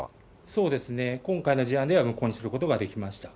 そうですね、今回の事案では無効にすることができました。